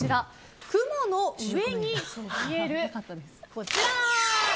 雲の上にそびえる、こちら。